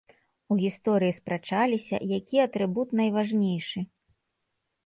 У гісторыі спрачаліся, які атрыбут найважнейшы.